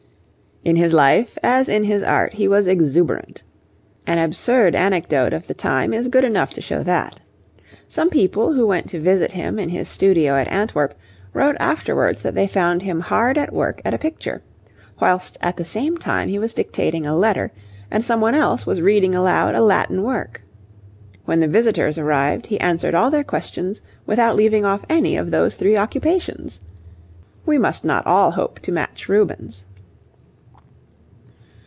In his life as in his art he was exuberant. An absurd anecdote of the time is good enough to show that. Some people, who went to visit him in his studio at Antwerp, wrote afterwards that they found him hard at work at a picture, whilst at the same time he was dictating a letter, and some one else was reading aloud a Latin work. When the visitors arrived he answered all their questions without leaving off any of those three occupations! We must not all hope to match Rubens.